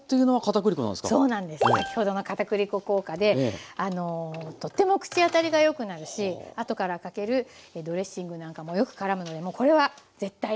先ほどの片栗粉効果でとても口当たりがよくなるし後からかけるドレッシングなんかもよくからむのでもうこれは絶対にして頂けたらと思います。